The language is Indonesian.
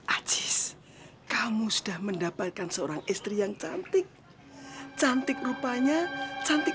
ajis kamu sudah mendapatkan seorang istri yang cantik cantik rupanya cantik